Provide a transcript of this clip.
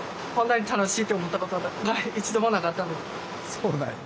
そうなんや。